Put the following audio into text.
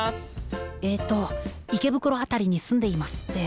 えと池袋辺りに住んでいますって。